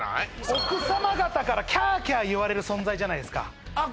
奥様方からキャーキャー言われる存在じゃないですかあっ